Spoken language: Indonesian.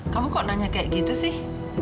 kamu kok nanya kayak gitu sih